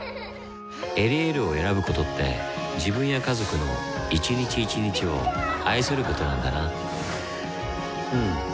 「エリエール」を選ぶことって自分や家族の一日一日を愛することなんだなうん。